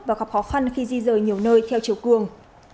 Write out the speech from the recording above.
và gặp khó khăn khi di rời nhiều nơi theo chiều cường